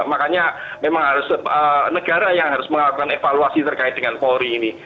makanya memang harus negara yang harus melakukan evaluasi terkait dengan polri ini